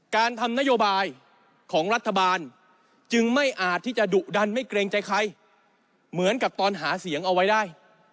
การทำนโยบายของรัฐบาลจึงไม่อาจที่จะดุดันไม่เกรงใจใครเหมือนกับตอนหาเสียงเอาไว้ได้